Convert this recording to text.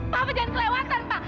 papa jangan kelewatan pa